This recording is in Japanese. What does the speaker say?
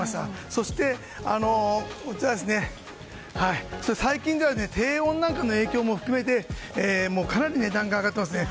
そして、最近では低温なんかの影響も含めてかなり値段が上がっていますね。